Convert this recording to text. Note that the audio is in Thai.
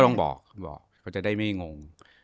ก็ต้องบอกเขาจะได้ไม่งง